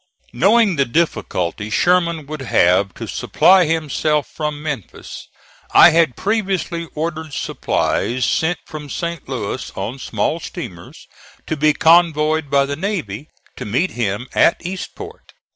Knowing the difficulty Sherman would have to supply himself from Memphis, I had previously ordered supplies sent from St. Louis on small steamers, to be convoyed by the navy, to meet him at Eastport.